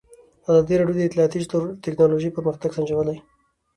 ازادي راډیو د اطلاعاتی تکنالوژي پرمختګ سنجولی.